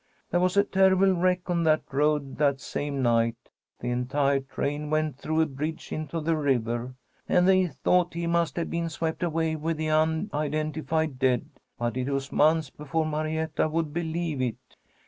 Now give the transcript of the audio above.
There was a terrible wreck on that road that same night. The entire train went through a bridge into the river, and they thought he must have been swept away with the unidentified dead. But it was months before Marietta would believe it.